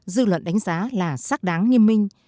dư luận đánh giá là xác đáng nghiêm minh